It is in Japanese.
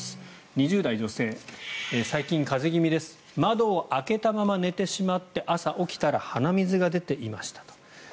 ２０代女性、最近、風邪気味です窓を開けたまま寝てしまって朝、起きたら鼻水が出ていました。